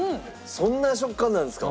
そんな食感なんですか。